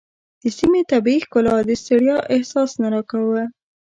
د سیمې طبیعي ښکلا د ستړیا احساس نه راکاوه.